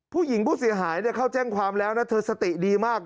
ผู้หญิงผู้เสียหายเข้าแจ้งความแล้วนะเธอสติดีมาก